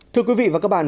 thưa quý vị và các bạn